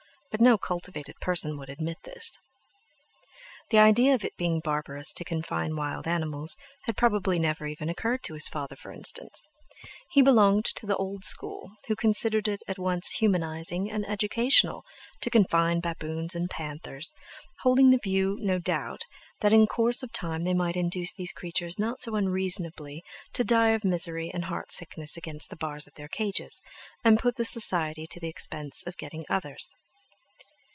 But no cultivated person would admit this. The idea of its being barbarous to confine wild animals had probably never even occurred to his father for instance; he belonged to the old school, who considered it at once humanizing and educational to confine baboons and panthers, holding the view, no doubt, that in course of time they might induce these creatures not so unreasonably to die of misery and heart sickness against the bars of their cages, and put the society to the expense of getting others!